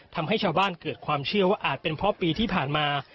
ทำให้ชาวบ้านเกิดความเชื่อว่าอาจเป็นเพราะปีที่ผ่านมา